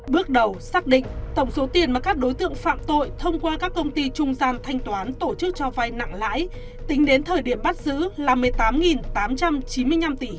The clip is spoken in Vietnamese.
bước đầu xác định tổng số tiền mà các đối tượng phạm tội thông qua các công ty trung gian thanh toán tổ chức cho vay nặng lãi tính đến thời điểm bắt giữ là một mươi tám tám trăm chín mươi năm tỷ đồng